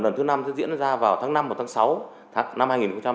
lần thứ năm sẽ diễn ra vào tháng năm và tháng sáu tháng năm hai nghìn hai mươi ba